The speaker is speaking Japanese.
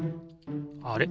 あれ？